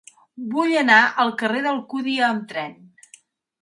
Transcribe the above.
Vull anar al carrer d'Alcúdia amb tren.